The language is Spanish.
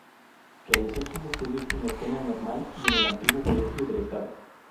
Realizó sus estudios en la Escuela Normal y en el antiguo Colegio del Estado.